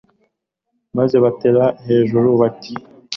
maze bagatera hejuru bati